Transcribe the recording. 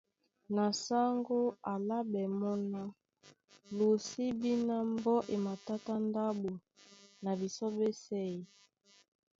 Na sáŋgó á álaɓɛ́ mɔ́ ná:Lo sí bí ná mbɔ́ e matátá ndáɓo na bisɔ́ ɓɛ́sɛ̄ ē?